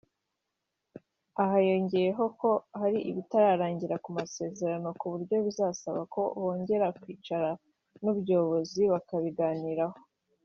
Aha yongeyeho ko hari ibitararangira ku masezerano ku buryo bizasaba ko bongera kwicarana Nubyobozi bakabiganiraho